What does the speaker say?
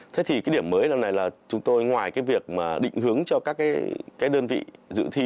thế thì cái điểm mới lần này là chúng tôi ngoài cái việc mà định hướng cho các cái đơn vị dự thi